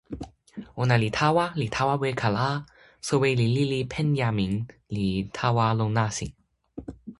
ona li tawa, li tawa weka la, soweli lili Penjamin li tawa lon nasin